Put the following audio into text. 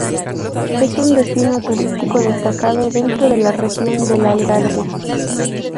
Es un destino turístico destacado dentro de la región del Algarve.